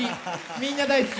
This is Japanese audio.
みんな大好き。